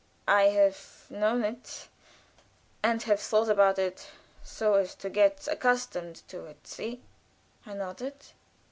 "I have known it and have thought about it so as to get accustomed to it see?" I nodded.